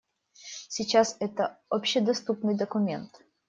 Сейчас это общедоступный документ.